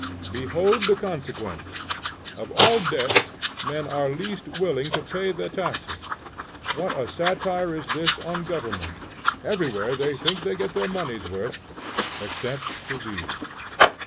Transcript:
Behold the consequence. Of all debts men are least willing to pay the taxes. What a satire is this on government! Everywhere they think they get their money's worth, except for these.